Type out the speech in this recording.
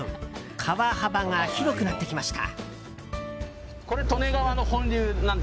川幅が広くなってきました。